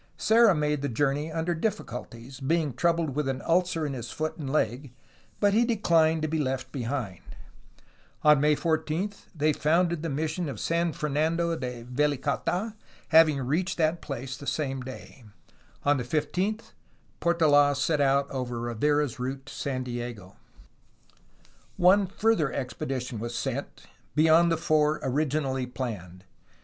Serra made the journey under difficulties, being troubled with an ulcer in his foot and leg, but he de clined to be left behind. On May 14 they founded the mis sion of San Fernando de Velicata, having reached that place SPANISH OCCUPATION OF ALTA CALIFORNIA 223 the same day. On the 15th Portola set out over Rivera's route to San Diego. One further expedition was sent, beyond the four origi nally planned.